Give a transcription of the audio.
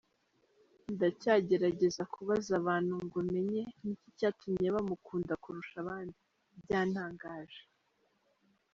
Ndacyagerageza kubaza abantu ngo menye ni iki cyatumye bamukunda kurusha abandi, byantangaje !”.